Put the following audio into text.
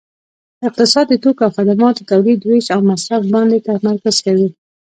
اقتصاد د توکو او خدماتو تولید ویش او مصرف باندې تمرکز کوي